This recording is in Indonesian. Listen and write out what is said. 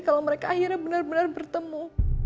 kalau mereka akhirnya bener bener bertemu